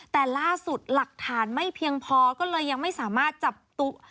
แต่ล่าสุดหลักฐานไม่เพียงพอก็เลยยังไม่สามารถจับตัว